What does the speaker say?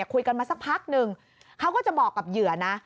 คุยกันมาสักพักหนึ่งเขาก็จะบอกกับเหยื่อนะ